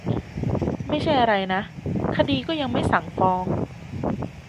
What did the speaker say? ไม่ใช่อะไรนะ คดีก็ยังไม่สั่งฟ้อง